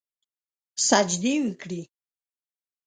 سجدې وکړي